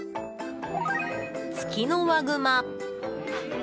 ツキノワグマ。